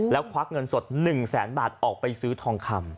แล้วควักเงินสด๑แสนบาทออกไปซื้อทองคำ